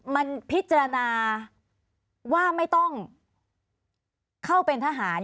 มันพิจารณาว่าไม่ต้องเข้าเป็นทหาร